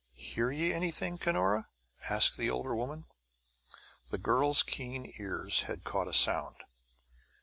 "Hear ye anything, Cunora?" asked the older woman. The girl's keen ears had caught a sound.